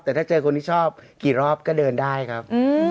แต่ถ้าเจอคนที่ชอบกี่รอบก็เดินได้ครับ